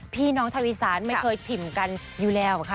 พี่น้องชาวอีสานไม่เคยพิมพ์กันอยู่แล้วค่ะ